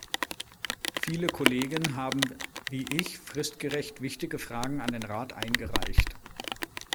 Viele Kollegen haben wie ich fristgerecht wichtige Fragen an den Rat eingereicht.